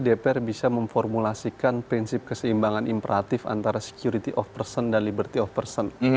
dpr bisa memformulasikan prinsip keseimbangan imperatif antara security of person dan liberty of person